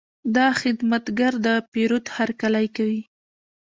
دا خدمتګر د پیرود هرکلی کوي.